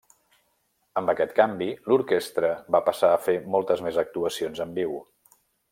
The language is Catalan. Amb aquest canvi l'orquestra va passar a fer moltes més actuacions en viu.